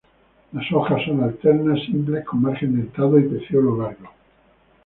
Las hojas son alternas, simples con margen dentado y peciolo largo.